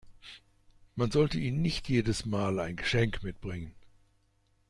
Man sollte ihnen nicht jedes Mal ein Geschenk mitbringen.